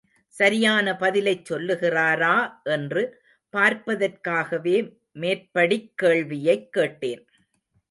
சரியான பதிலைச் சொல்லுகிறாரா என்று பார்ப்பதற்காகவே மேற்படிக் கேள்வியைக் கேட்டேன்.